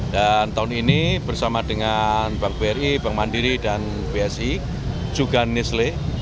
dan tahun ini bersama dengan bank bri bank mandiri dan bsi juga nisle